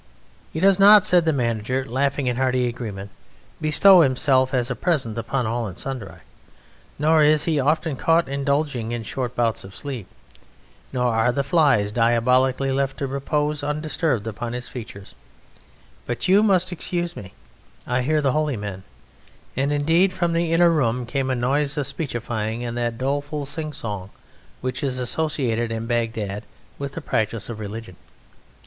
"He does not," said the manager, laughing in hearty agreement, "bestow himself as a present upon all and sundry. Nor is he often caught indulging in short bouts of sleep, nor are flies diabolically left to repose undisturbed upon his features but you must excuse me, I hear the Holy Men," and indeed from the inner room came a noise of speechifying in that doleful sing song which is associated in Bagdad with the practice of religion.